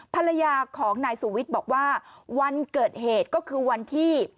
ภรรยาของนายสุวิทย์บอกว่าวันเกิดเหตุก็คือวันที่